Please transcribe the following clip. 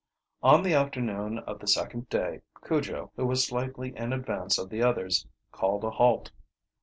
On the afternoon of the second day Cujo, who was slightly in advance of the others, called a halt.